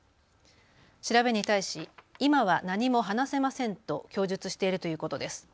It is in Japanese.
調べに対し、今は何も話せませんと供述しているということです。